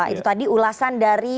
itu tadi ulasan dari